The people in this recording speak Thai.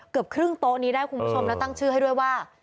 เกือบครึ่งโต๊ะนี้ได้คุณผู้ชมแล้วตั้งชื่อให้ด้วยว่า